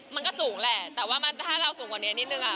มันก็สูงแหละแต่ว่าถ้าเราสูงกว่านี้นิดนึงอ่ะ